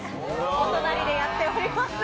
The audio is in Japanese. お隣でやっております。